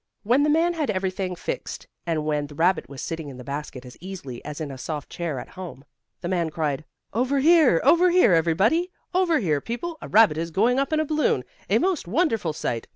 When the man had everything fixed and when the rabbit was sitting in the basket as easily as in a soft chair at home, the man cried: "Over here! Over here, everybody! Over here, people! A rabbit is going up in a balloon! A most wonderful sight!